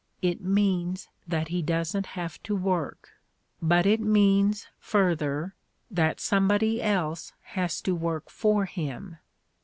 It means that he doesn't have to work. But it means, further, that somebody else has to work for him.